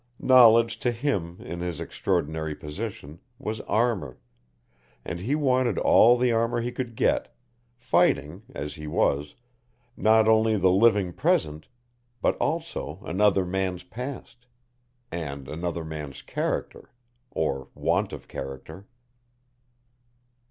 Knowledge to him in his extraordinary position was armour, and he wanted all the armour he could get, fighting, as he was, not only the living present, but also another man's past and another man's character, or want of character.